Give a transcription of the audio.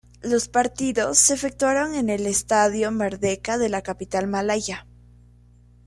Los partidos se efectuaron en el Estadio Merdeka de la capital malaya.